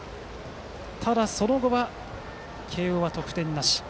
ただ、その後は慶応は得点なし。